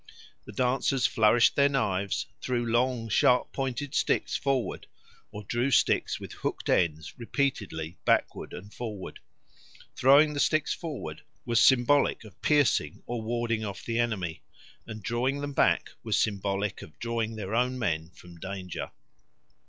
The dancers flourished their knives, threw long sharp pointed sticks forward, or drew sticks with hooked ends repeatedly backward and forward. Throwing the sticks forward was symbolic of piercing or warding off the enemy, and drawing them back was symbolic of drawing their own men from danger.